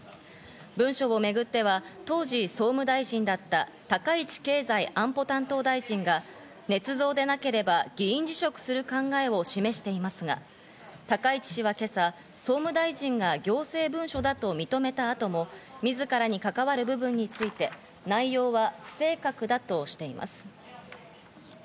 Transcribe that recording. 文書をめぐっては当時、総務大臣だった高市経済安保担当大臣がねつ造でなければ議員辞職する考えを示していますが、高市氏は今朝、総務大臣が行政文書だと認めたあとも、自らに関わる部分について、内容は不正確だとしています。